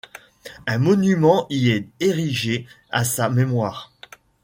Un monument y est érigé à sa mémoire.